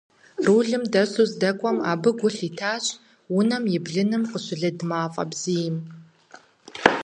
Рулым дэсу здэкӀуэм абы гу лъитащ унэм и блыным къыщылыд мафӀэ бзийм.